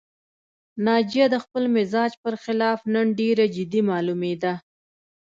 ناجیه د خپل مزاج پر خلاف نن ډېره جدي معلومېده